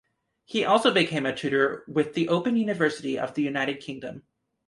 He also became a tutor with the Open University of the United Kingdom.